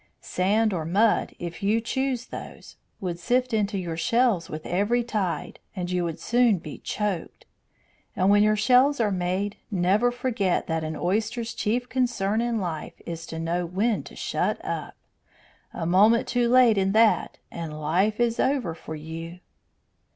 Sand or mud, if you choose those, would sift into your shells with every tide, and you would soon be choked. And when your shells are made, never forget that an oyster's chief concern in life is to know when to shut up. A moment too late in that, and life is over for you."